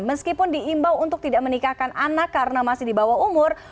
meskipun diimbau untuk tidak menikahkan anak karena masih di bawah umur